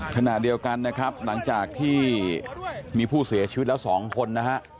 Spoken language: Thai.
ขณะเดียวกันนะครับหลังจากที่มีผู้เสียชีวิตแล้ว๒คนนะฮะ